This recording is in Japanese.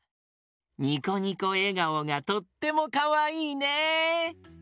ニコニコえがおがとってもかわいいね。